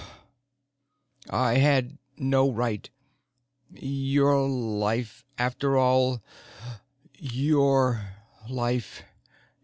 I had no right. Your life after all your life.